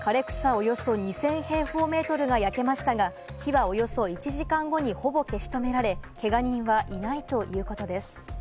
およそ２０００平方メートルが焼けましたが、火はおよそ１時間後にほぼ消し止められ、けが人はいないということです。